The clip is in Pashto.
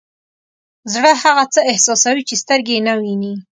زړه هغه څه احساسوي چې سترګې یې نه ویني.